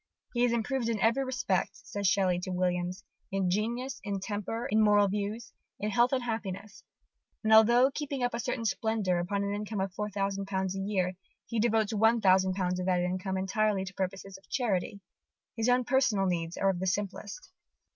"He is improved in every respect," says Shelley to Williams, "in genius, in temper, in moral views, in health and happiness." And although keeping up a certain splendour upon an income of £4000 a year, he devotes £1000 of that income entirely to purposes of charity. His own personal needs are of the simplest.